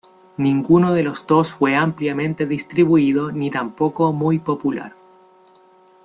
Ninguno de los dos fue ampliamente distribuido ni tampoco muy popular.